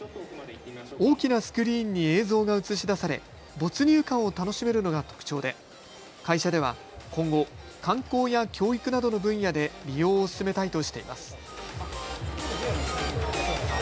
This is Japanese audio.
大きなスクリーンに映像が映し出され没入感を楽しめるのが特徴で会社では今後、観光や教育などの分野で利用を進めたいとしています。